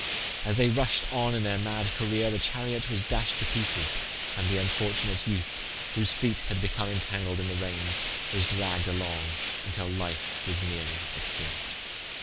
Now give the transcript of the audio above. As they rushed on in their mad career the chariot was dashed to pieces, and the unfortunate youth, whose feet had become entangled in the reins, was dragged along until life was nearly extinct.